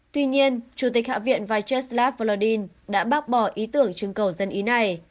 tuy nhiên chủ tịch hạ viện vyacheslav volodin đã bác bỏ ý tưởng chương cầu dân ý này